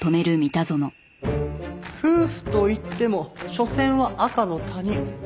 夫婦といってもしょせんは赤の他人。